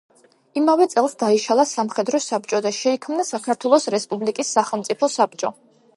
იმავე წელს დაიშალა სამხედრო საბჭო და შეიქმნა საქართველოს რესპუბლიკის სახელმწიფო საბჭო.